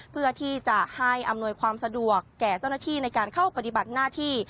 เพื่อที่จะให้อำนวยความสะดวกแก่เจ้าหน้าที่ในการเข้าปฏิบัติหน้าที่